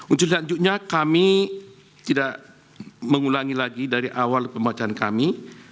untuk selanjutnya kami tidak mengulangi lagi dari awal pembacaan kami